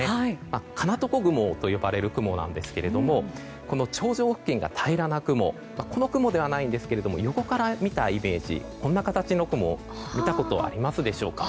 かなとこ雲と呼ばれる雲なんですが頂上付近が平らな雲この雲ではないんですけど横から見たイメージでこんな形の雲見たことありますでしょうか？